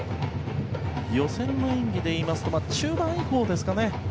予選の演技でいいますと中盤以降ですかね